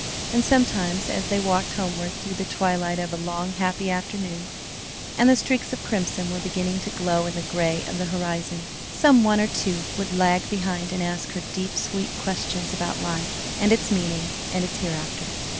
And sometimes, as they walked homeward through the twilight of a long, happy afternoon, and the streaks of crimson were beginning to glow in the gray of the horizon, some one or two would lag behind and ask her deep, sweet questions about life and its meaning and its hereafter.